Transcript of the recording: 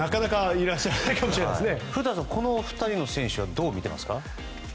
古田さん、このお二人の選手どう見ていらっしゃいますか。